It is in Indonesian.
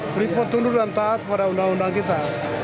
freeport tunduk dan taat pada undang undang kita